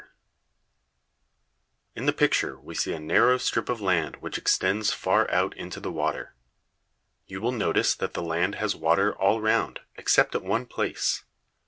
] In the picture we see a narrow strip of land which extends far out into the water. You will notice that the land has water all round; except at one place.